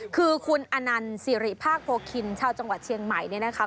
คือคุณอนันต์สิริภาคโพคินชาวจังหวัดเชียงใหม่เนี่ยนะคะ